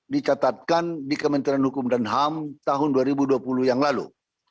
dicatatkan di kementerian hukum dan ham tahun dua ribu dua puluh yang lalu